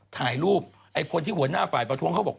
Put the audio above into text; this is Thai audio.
ถ่ายรูปไอ้คนที่หัวหน้าฝ่ายประท้วงเขาบอก